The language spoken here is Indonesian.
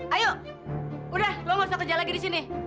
ayo udah lo nggak usah kerja lagi disini